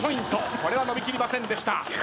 これは伸び切りませんでした。